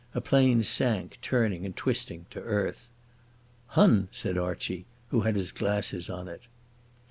A plane sank, turning and twisting, to earth. "Hun!" said Archie, who had his glasses on it.